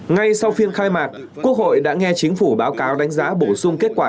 ngay sau phiên khai mạc quốc hội đã nghe chính phủ báo cáo đánh giá bổ sung kết quả